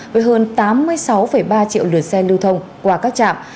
với hơn tám mươi sáu ba triệu lượt xe lưu thông qua các trạm